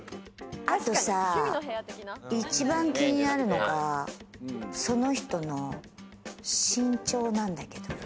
あとさ、一番気になるのがその人の身長なんだけど。